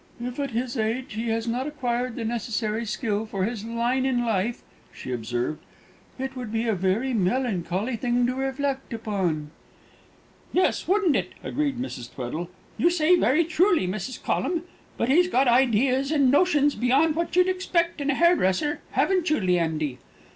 "If at his age he has not acquired the necessary skill for his line in life," she observed, "it would be a very melancholy thing to reflect upon." "Yes, wouldn't it?" agreed Miss Tweddle; "you say very truly, Mrs. Collum. But he's got ideas and notions beyond what you'd expect in a hairdresser haven't you, Leandy?